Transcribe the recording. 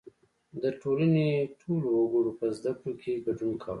• د ټولنې ټولو وګړو په زدهکړو کې ګډون کاوه.